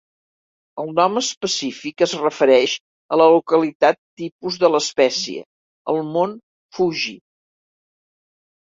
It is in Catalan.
El nom específic es refereix a la localitat tipus de l'espècie, el Mont Fuji.